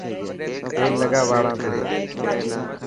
تيل لگا واڙاتي.